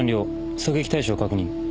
狙撃対象確認。